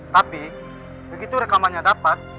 tapi begitu rekamannya dapat